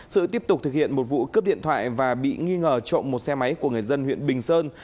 sự tiếp tục thực hiện một vụ cướp điện thoại và bị nghi ngờ trộm một xe máy của người dân huyện bình sơn